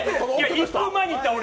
１分前に言った俺！